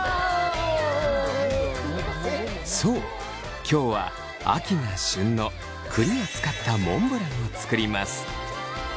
そう今日は秋が旬の栗を使ったモンブランを作ります。